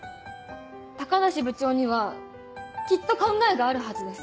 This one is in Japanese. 高梨部長にはきっと考えがあるはずです。